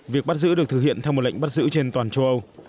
việc bắt giữ được thực hiện theo một lệnh bắt giữ trên toàn châu âu